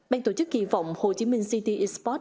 bàn tổ chức kỳ vọng hồ chí minh city exports